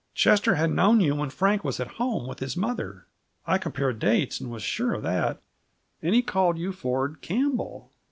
Chester had known you when Frank was at home with his mother I compared dates and was sure of that and he called you Ford Campbell.